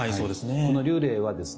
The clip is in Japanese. この立礼はですね